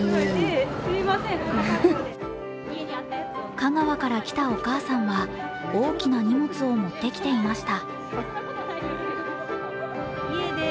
香川から来たお母さんは大きな荷物を持ってきていました。